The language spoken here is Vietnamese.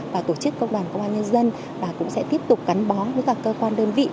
và tổ chức công đoàn công an nhân dân và cũng sẽ tiếp tục gắn bó với các cơ quan đơn vị